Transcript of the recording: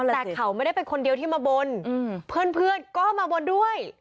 แต่เขาไม่ได้เป็นคนเดียวที่มาบนเพื่อนก็มาบนด้วย